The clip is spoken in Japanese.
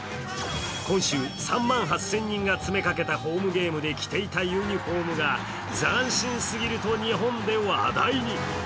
今週３万８０００人が詰めかけたホームゲームで着ていたユニフォームが斬新すぎると日本で話題に。